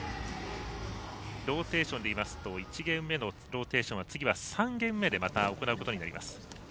ローテーションで言いますと１ゲーム目のローテーションは３ゲーム目でまた行うことになります。